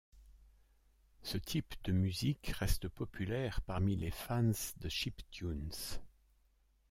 Ce type de musique reste populaire parmi les fans de chiptunes.